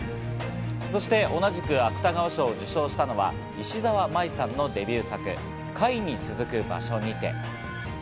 そして同じく芥川賞を受賞したのは石沢麻依さんのデビュー作『貝に続く場所にて』。